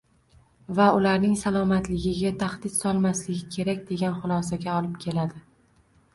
va ularning salomatligiga tahdid solmasligi kerak, degan xulosaga olib keladi.